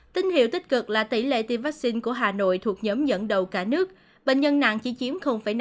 tin hiệu tích cực là tỷ lệ tiêm vaccine của hà nội thuộc nhóm dẫn đầu cả nước bệnh nhân nặng chỉ chiếm năm